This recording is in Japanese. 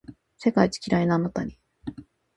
世界一キライなあなたに